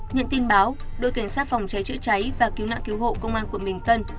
nhận tin báo đội cảnh sát phòng cháy chữa cháy và cứu nạn cứu hộ công an quận bình tân